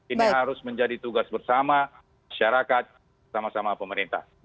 ini harus menjadi tugas bersama masyarakat sama sama pemerintah